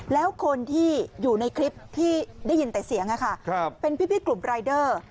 แล้วคนที่อยู่ในคลิปที่ได้ยินแต่เสียงเป็นพี่กลุ่มรายเดอร์